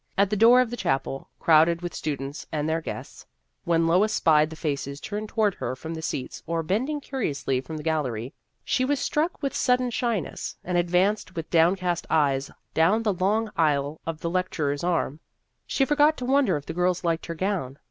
At the door of the chapel, crowded with students and their guests, when Lois spied the faces turned toward her from the seats or bending curiously from the gallery, she was struck with sudden shy ness, and advanced with downcast eyes down the long aisle, on the lecturer's arm. She forgot to wonder if the girls liked her gown.